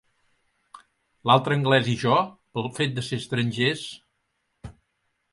L'altre anglès i jo, pel fet de ser estrangers...